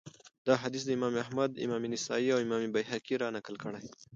دا حديث امام احمد امام نسائي، او امام بيهقي را نقل کړی